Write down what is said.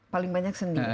paling banyak sendi